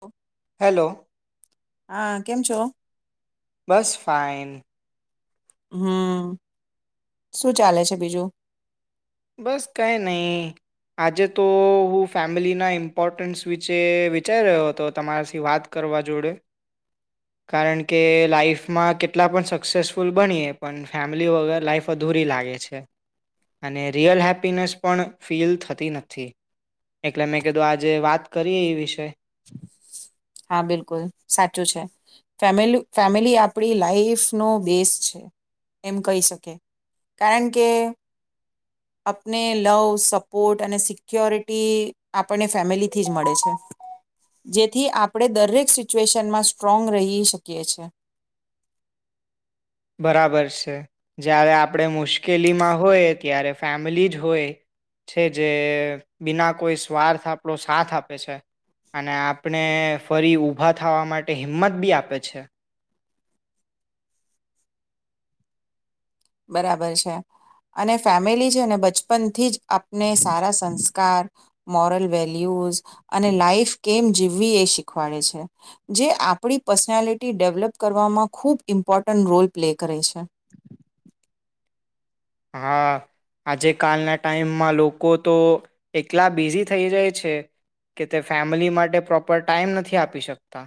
હ [unintelligible] હેલો હા કેમ છો. બસ ફાઈન. હમ શું ચાલે છે બીજું. બસ કઈ નઈ આજે તો હું ફેમલીના ઇમ્પોર્ટન્સ વિચે વિચારી રહ્યો હતો તમારાસી વાત કરવા જોડે કારણ કે લાાઈફમાં કેટલા પણ સક્સેસફુલ બનીએ પણ ફેમલી વગર લાઈફ અધૂરી લાગે છે. અને રિયલ હેપીનેસ પણ ફીલ થતી નથી એકલે મેં કીધું આજે વાત કરીએ એ વિષે હા બિલકુલ સાચું છે ફેમિલી ફેમિલી આપડી લાાઈફનો બેસ છે એમ કહી શકે કારણ કે અપને લવ સપોર્ટ અને સિક્યોરિટી આપણને ફેમિલીથી જ મળે છે. જેથી આપ? આપડે દરેક સિચ્યુએશનમાં સ્ટ્રોંગ રહી શકીએ છીએ. બરાબર છે જ્યારે આપણે મુશ્કેલીમાં હોય ત્યારે ફેમલી જ હોય છે. જે બિના કોઈ સ્વાર્થ આપણો સાથ આપે છે અને આપને ફરી ઊભા થાવા માટે હિંમતબી આપે છે બરાબર છે અને ફેમિલી છે ને બચપન થીજ. આપને સારા સંસ્કાર. મોરલ વેલ્યુઝ અને લાઈફ કેમ જીવવી એ શીખવાડે છે જે આપણી પર્સનાલિટી ડેવલપ કરવામાં ખૂબ ઇમ્પોર્ટન્ટ રોલ પ્લે કરે છે. હા આજે કાલના ટાઈમમાં લોકો તો એટલા બિઝી થઈ જાય છે. કે તે ફેમલી માટે પ્રોપર ટાઈમ નથી આપી શકતા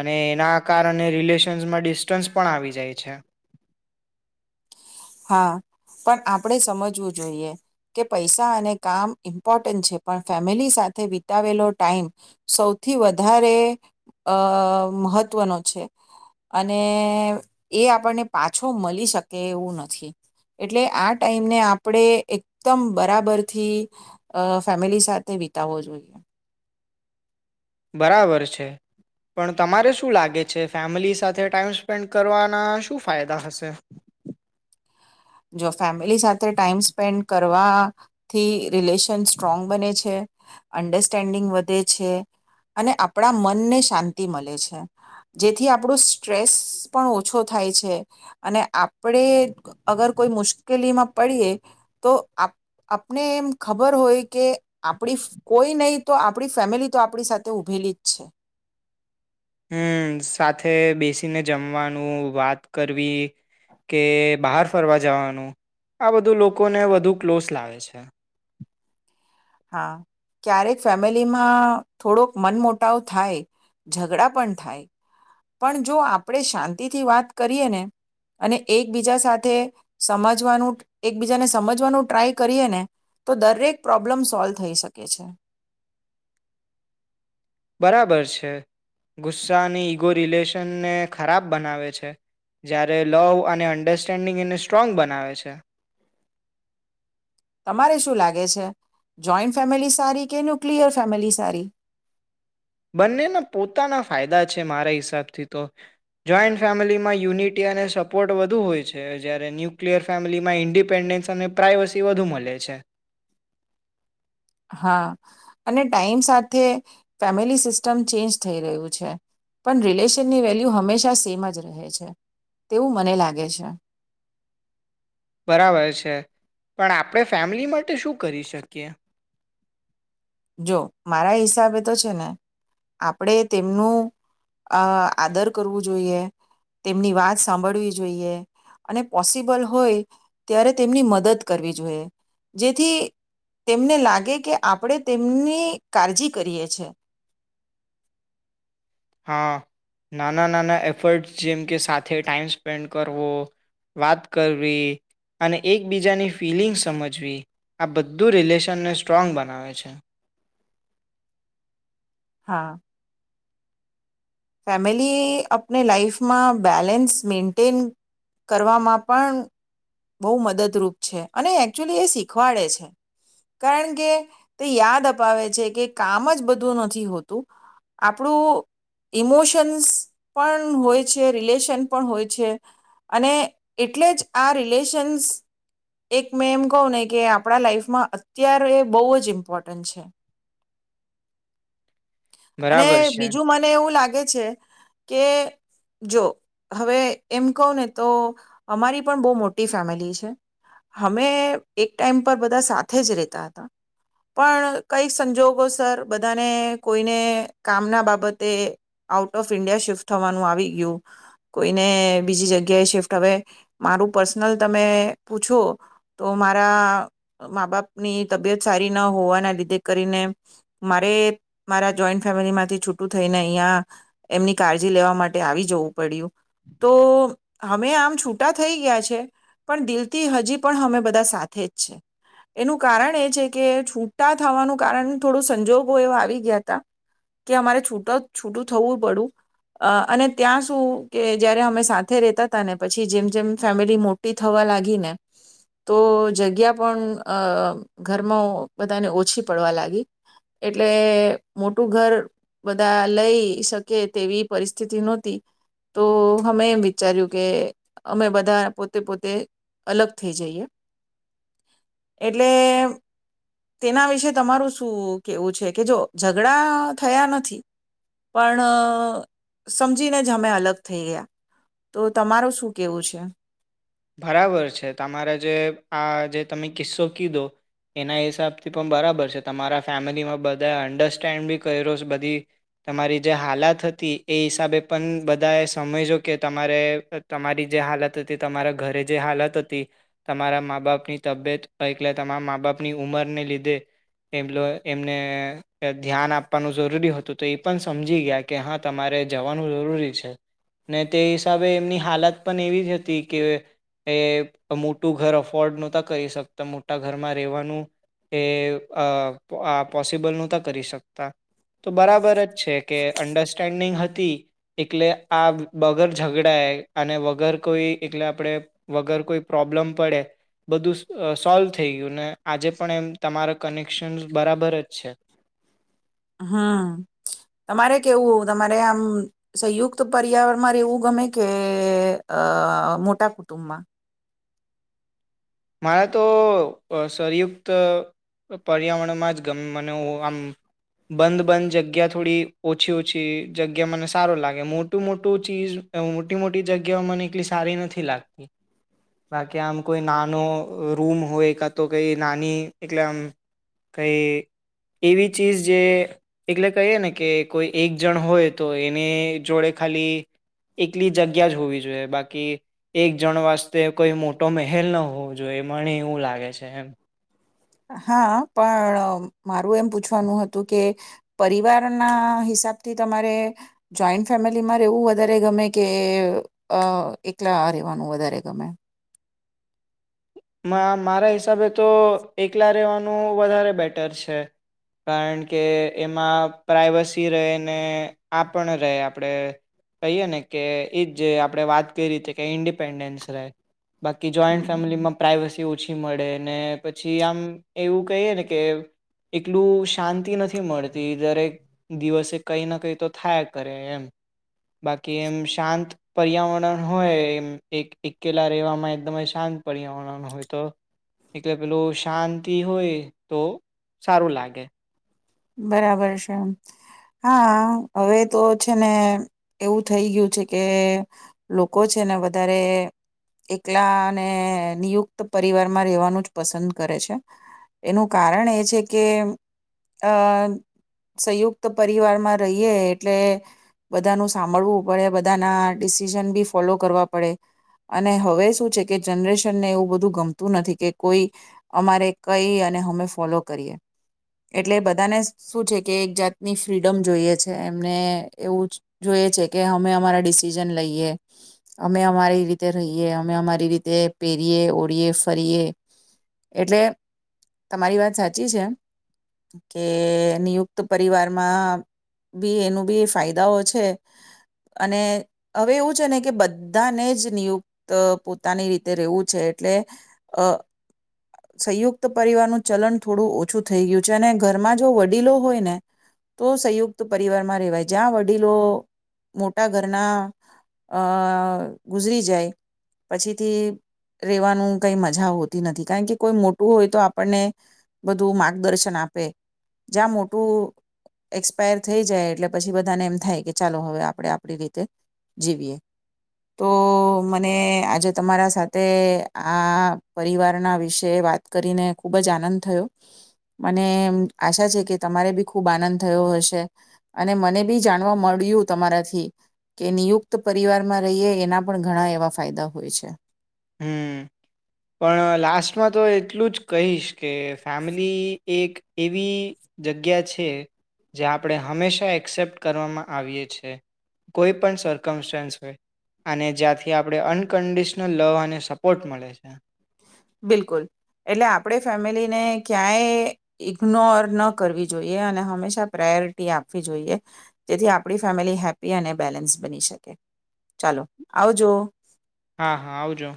અને એના કારણે રિલેશન્સમાં ડિસ્ટન્સ પણ આવી જાય છે. હા પણ આપડે સમજવું જોઈએ કે પૈસા અને કામ ઇમ્પોર્ટન્ટ છે પણ ફેમેલી સાથે વિતાવેલો ટાઈમ સૌથી વધારે અ મહત્ત્વનો છે અને એ આપણ ને પાછો મલી શકે એવું નથી. થી એટલે આ ટાઈમને આપડે એકદમ બરાબરથી અ ફેમિલી સાથે વિતાવવો જોઈએ. બરાબર છે. પણ તમારે શું લાગે છે ફેમલી સાથે ટાઈમ સ્પેન્ડ કરવાના શું ફાયદા હશે? જો ફેમિલી સાથે ટાઈમ સ્પેન્ડ કરવા થી? રિલેશન સ્ટ્રોંગ બને છે. અંડરસ્ટેન્ડિંગ વધે છે અને આપડા મનને શાંતિ મલે છે. જેથી આપડુ સ્ટ્રેસ પણ ઓછો થાય છે અ. ને આપડે અગર કોઈ મુશ્કેલીમાં પડીએ તો આપ આપને એમ ખબર હોય કે આપડુ કોઈ નઇ તો આપડી ફેમિલી તો આપડી સાથે ઊભેલી જ છે. હમ સાથે બેસીને જમવાનું વાત કરવી. કે બહાર ફરવા જવાનું આ બધું લોકોને વધુ ક્લોઝ લાવે છે. હા ક્યારેક ફેમિલીમાં થોડોક મનમોટાવ થાય ઝઘડા પણ થાય પણ જો આપણેે શાંતિથી વાત કરીએ ને અને એકબીજા સાથે સમજવાનું એકબીજાને સમજવાનું ટ્રાય કરીએ ને તો દરેક પ્રોબલમ રહેતા નથી. પ્રોબ્લમ સોલથઈ શકે છે. બરાબર છે ગુસ્સાની ઈગો રિલેશનને ખરાબ બનાવે છે જ્યારે લવ અને અન્ડરસ્ટેન્ડિંગ એને સ્ટ્રોંગ બનાવે છે. તમારે શું લાગે છે જોઈન ફેમિલી સારી કે ન્યુક્લિયર ફેમિલી સારી? બંનેના પોતાના ફાયદા છે મારા હિસાબથી તો જોઈન્ટ ફેમિલીમાં યુનિટી અને સપોર્ટ વધુ હોય છે જ્યારે ન્યુક્લિયર ફેમિલીમાં ઇન્ડિપેન્ડન્સ અને પ્રાઇવસી વધુ મળે છે. હા અને ટાઈમ સાથે ફેમિલી સિસ્ટમ ચેન્જ થઈ રહ્યું છે પણ રિલેશનની વેલ્યુ હંમેશા સેમ જ રહે છે તેવું મને લાગે છે. બરાબર છે. પણ આપણે ફેમિલી માટે શું કરી શકીએ? જો મારા હિસાબે તો છે ને આપણેે તેમનું આદર કરવું જોઈએ, તેમની વાત સાંભળવી જોઈએ અને પોસિબલ હોય ત્યારે તેમની મદદ કરવી જોઈએ જેથી તેમને લાગે કે આપણે તેમની કાળજી કરીએ છે. હા નાના નાના એફર્ટ્સ જેમ કે સાથે ટાઈમ સ્પેન્ડ કરવો વાત કરવી અને એકબીજાની ફિલિંગ્સ સમજવી આ બધું રિલેશનને સ્ટ્રોંગ બનાવે છે. હા. ફેમિલી આપને લાાઈફમાં બેલેન્સ મેન્ટેન કરવામાં પણ બહુ મદદરૂપ છે અને એકચુલી એ શીખવાડે છે કારણ કે તે યાદ અપાવે છે કે કામ જ બધું નથી હોતું આપણું ઇમોશન્સ પણ હોય છે રિલેશન પણ હોય છે અને એટલે જ આ રિલેશન્સ એક મેં એમ કહું ને કે આપણા લાઈફમાં અત્યારે બહુ જ ઇમ્પોર્ટન્ટ છે. અને બરાબર છે બીજું મા મને એવું લાગે છે કે જો હવે એમ કહ ને તો અમારી પણ બહુ મોટી ફેમિલી છે અમે એક ટાઈમ પર બધા સાથે જ રહેતા હતા પણ કઈક સંજોગોસ બધાને કોઈને કામના બાબત તે આઉટ ઓફ ઈન્ડિયા શિફ્ટ થવાનું આવી ગયું કોઈને બીજી જગ્યાએ શિફ્ટ હવે મારું પર્સનલ તમે પૂછો તો મારા મા બાપની તબિયત સારી ના હોવાના લીધે કરીને મારે મારા જોઈન્ટ ફેમિલીમાંથી છૂ છૂટું થઈને અહીં એમની કાળજી લેવા માટે આવી જવું પડ્યું. તો અમે આમ છૂટા થઈ ગયા છે પણ દિલથી હજી પણ અમે બધા સાથે જ છે એનું કારણ એ છે કે છૂટા થવાનું કારણ થોડું સંજોગો એવા આવી ગયા ત કે અમારે ટ છૂટું થવું પડું અને ત્યાં શું કે જયારે અમે સાથે રેતા હતા ને પછી જેમ જેમ ફેમિલી મોટી થવા લાગી ને તો જગ્યા પણ ઘરમાં બધાને ઓછી પડવા લાગી એટલે મોટું ઘર બધા લઈ શકે તેવી પરિસ્થિતિ નહોતી તો અમે એમ વિચાર્યું કે અમે બધા પોતે પોતે અલગ થઈ જઈએ એટલે તેના વિશે તમારું શું કેવું છે કે જો ઝઘડા થયા નથી પણ સમજીને જ અમે અલગ થઈ ગયા તો તમાર શું કેવું છે? બરાબર છે તમારા જે આ જે તમે કિસ્સો કીધો એના હિસાબથી પણ બરાબર છે. તમારા ફેમિલીમાં બધાએ અંડરસ્ટેન્ડ બી કર્યો બધી તમારી જે હાલત હતી એ હિસાબે પણ બધાએ સમજજો કે તમારે તમારી જે હાલત હતી તમારા ઘરે જે હાલત હતી તમારા મા બાપની તબિયતલે તમારા મા બાપની ઉંમરને લીધે એમ એમને ધ્યાન આપવાનું જરૂરી હતું. તો એ પણ સમજી ગયા કે હા તમારે જવાનું જરૂરી છે ને તે હિસાબે એમની હાલત પણ એવી હતી કે એ મોટું ઘર અફોર્ડ નહોતા કરી શકતા મોટા ઘરમાં રહેવાનું એ પોસિબલ નહોતા કરી શકતા તો બરાબર જ છે કે અંડરસ્ટેન્ડિંગ હતી એટલે આ વગર ઝઘડએ અને વગર કોઈ એટલે આપણે વગર કોઈ પ્રોબ્લેમ પડે બધું સોલ્વ થઈ ગયું ને આજે પણ એમ તમારા કનેક્શન બરાબર જ છે. હમ તમારે કેવું તમારે આમ સંયુક્ત પર્યાવરણમાં રહેવું ગમે કે અ મોટા કુટુંબમાં? મારે તો સરયુક્ત પર્યાવરણમાં જ ગમે મને આમ બંધ બંધ જગ્યા થોડી ઓછી ઓછી જગ્યા મને સારો લાગે મોટું મોટું ચીજ મોટી મોટી જગ્યાઓ મને એટલી સારી નથી લાગતી બાકી આમ કોઈ ના ના રૂમ હોય કા તો કઈ નાની એલે આમ કઈ એવી ચીજ જે એલે કહીએ ને કે કોઈ એક જણ હોય તો એની જોડે ખાલી એકલી જગ્યા જ હોવી જોઈએ બાકી એક જણ વાસ્તે કોઈ મોટો મહેલ ન હોય હોવ જોએ મને એવું લાગે છે એમ. હા પણ મારું એમ પૂછવાનું હતું કે પરિવારના હિસાબથી તમારે જોઈન્ટ ફેમિલીમાં રહેવું વધારે ગમે કે એકલા રહેવાનું વધારે ગમે? મારા હિસાબે તો એકલા રહેવાનું વધારે બેટર છે કારણ કે એમાં પ્રાઈવસી રહેને આપ રહે આપણે કહીએ ને કે એજ જે આપણે વાત કરી રતે કે ઇન્ડિપેન્ડન્સ રહે. બાકી જ જોઈન્ટ હમ ફેમિલીમાં આસી ઓછી મળે ને પછી આમ એવું કહીએ ને કે એકલું શાંતિ નથી મળતી દરેક દિવસે કઈ ના કઈ તો થાય કરે એમ બાકી એમ શાંત પર્યાવરણ હોય એમ એક એકલા રહેેવામાં એકદમ શાંત પર્યાવરણ હો તો એટલે પેલું શાંતિ હોય તો સારું લાગે. બરાબર છે હા હવે તો છે ને એવું થઈ ગયું છે કે લોકો છે ને વધારે એકલા અને નિયુક્ત પરિવારમાં રહેેવાનું જ પસંદ કરે છે એનું કારણ એ છે કે અ સંયુક્ત પરિવારમાં રહીએ એટલે બધાનું સાંભળવું પડે બધાના ડિસિઝન બી ફોલો કરવા પડે અને હવે શું છે કે જનરેશનને એવું બધું ગમતું નથી કે કોઈ અમારે કઈ અને અમે ફોલો કરીએ. એટલે બધાને શું છે કે એક જાતની ફ્રીડમ જોઈએ છે એમને એવું જોઈએ છે કે અમે અમારા ડિસિઝન લઈએ અમે અમારી રીતે રહીએ અમે અમારી રીતે પહેરીએ ઓળીએ ફરીએ એટલે તમારી વાત સાચી છે કે નિયુક્ત પરિવારમાં બી એનું બી ફાયદાઓ છે અને હવે એવું છે ને કે બધાને જ નિયુક્ત પોતાની રીતે રહેેવું છે એટલે અ સંયુક્ત પરિવારનું ચલન થોડું ઓછું થ ગયું છે અને ઘરમાં જો વડીલો હોય ને તો સંયુક્ત પરિવારમાં રેવાય જ્યાં વડીલો મોટા ઘરના ગુજરી જાય પછીથી રેવાનું કઈ મજા હોતી નથી કારણ કે કોઈ મોટું હોય તો આપણને બધું માર્ગદર્શન આપે જ્યાં મોટું એક્સપાયર થઈ જાય એટલે પછી બધાને એમ થાય કે ચાલો હવે આપણે આપડી રીતે જીવીએ. તો મને આજે તમારા સાથે આ પરિવારના વિશે વાત કરીને ખૂબ જ આનંદ થયો. મને આશા છે કે તમારે બી ખૂબ આનંદ થયો હશે અને મને બી જાણવા મળ્યું તમારાથી કે નિયુક્ત પરિવારમાં રહીએ એના પણ ઘણા એવા ફાયદા હોય છે. હમ પણ લાસ્ટમાં તો એટલું જ કહીશ કે ફેમિલી એક એવી જગ્યા છે જે આપણે હંમેશા એક્સેપ્ટ કરવામાં આવીએ છ છે કોઈ પણ સરર્કમસ્ટાન્સ હોય અને જ્યાંથી આપણે અનકન્ડિશનલ લવ અને સપોર્ટ મળે છે. બિલકુલ એટલે આપણે ફેમિલીને ક્યાંય ઇગ્નોર ન કરવી જોઈએ અને હંમેશા પ્રાયોરિટી આપવી જોઈએ જેથી આપણી ફેમિલી હેપ્પી અને બેલેન્સ બની શકે. ચાલો આવજો. હા હા આવજો